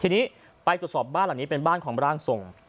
ทีนี้ไปตรวจสอบบ้านหลังนี้เป็นบ้านของร่างทรง